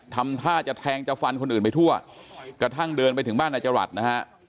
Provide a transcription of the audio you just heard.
ทำท่าจะแทงจะฟันคนอื่นไปทั่วกระทั่งเดินไปถึงบ้านนายจรัสนะฮะ